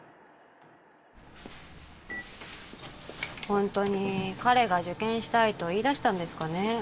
ホントに彼が受験したいと言いだしたんですかね